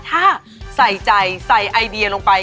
ถ้าใส่ใจใส่ไอเดียลงไป